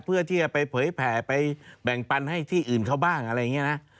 เพื่อที่จะไปเผยแผ่ไปแบ่งปันให้ที่อื่นเขาบ้างอะไรอย่างนี้นะ